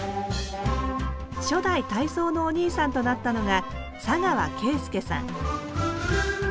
初代体操のお兄さんとなったのが砂川啓介さん